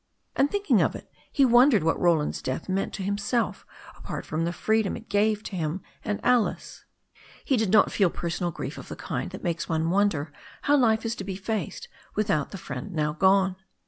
And thinking of it, he wondered what Roland's death meant to himself apart from the freedom it gave to him and Alice. He did not feel personal grief of the kind that makes one wonder how life is to be faced without the friend now gone.